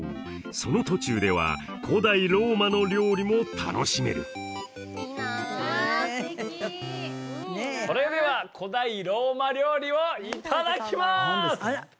その途中では古代ローマの料理も楽しめるそれでは古代ローマ料理をいただきます！